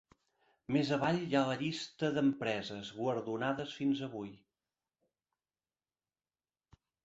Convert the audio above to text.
Més avall hi ha la llista d'empreses guardonades fins avui.